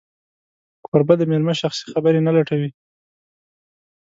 کوربه د مېلمه شخصي خبرې نه لټوي.